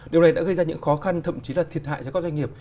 điều này đã gây ra những khó khăn thậm chí là thiệt hại cho các doanh nghiệp